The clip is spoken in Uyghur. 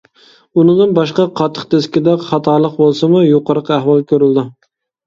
ئۇنىڭدىن باشقا قاتتىق دىسكىدا خاتالىق بولسىمۇ يۇقىرىقى ئەھۋال كۆرۈلىدۇ.